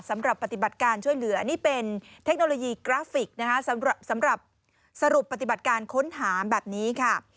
สำหรับปฏิบัติการช่วยเหลือนี่เป็นเทคโนโลยีกราฟิกนะคะสำหรับสรุปปฏิบัติการค้นหาแบบนี้ค่ะ